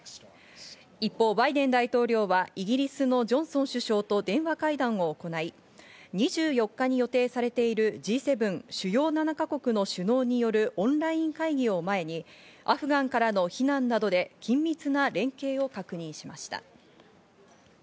一方、バイデン大統領はイギリスのジョンソン首相と電話会談を行い、２４日に予定されているＧ７＝主要７か国首脳によるオンライン会議を前にアフガンからの避難などで緊密な連携を確認しました。